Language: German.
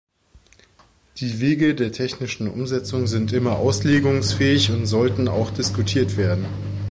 Die Wege der technischen Umsetzung sind immer auslegungsfähig und sollten auch diskutiert werden.